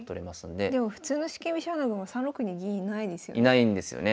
でも普通の四間飛車穴熊３六に銀いないですよね。